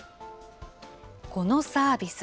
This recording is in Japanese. このサービス。